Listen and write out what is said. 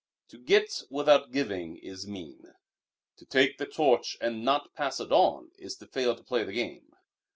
To get without giving is mean. To take the torch and not to pass it on is to fail to play the game.